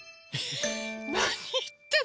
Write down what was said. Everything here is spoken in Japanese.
なにいってんの？